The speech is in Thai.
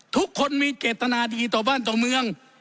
ทุกคนมีเจตนาดีต่อบ้านต่อเมือง